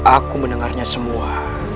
aku mendengarnya semua